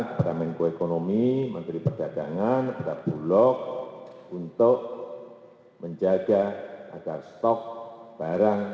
kepada menko ekonomi menteri perdagangan kepada bulog untuk menjaga agar stok barang